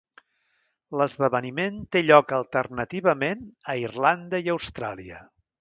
L'esdeveniment té lloc alternativament a Irlanda i Austràlia.